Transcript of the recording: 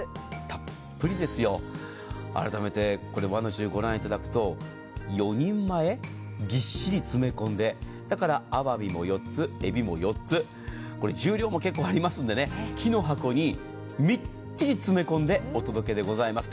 たっぷりですよあらためて和の重ご覧いただくと４人前、ぎっしり詰め込んでだからアワビも４つ、エビも４つ重量も結構ありますので木の箱にみっちり詰め込んでお届けでございます。